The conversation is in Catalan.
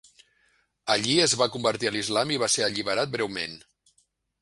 Allí es va convertir a l'islam i va ser alliberat breument.